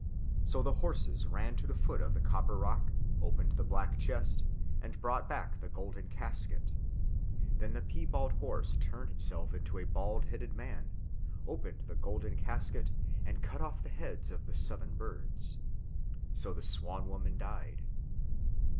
So the horses ran to the foot of the copper rock, opened the black chest, and brought back the golden casket. Then the piebald horse turned himself into a bald headed man, opened the golden casket, and cut off the heads of the seven birds. So the Swan woman died.